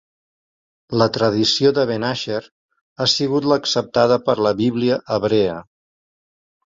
La tradició de ben Asher ha sigut l'acceptada per la Bíblia hebrea.